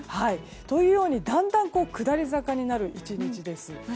というようにだんだん下り坂になる１日です。